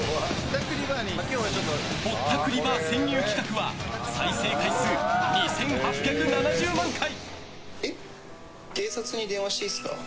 ぼったくりバー潜入企画は再生回数２８７０万回！